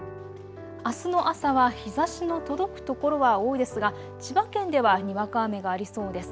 あすの朝は日ざしの届く所は多いですが、千葉県ではにわか雨がありそうです。